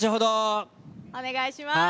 お願いします。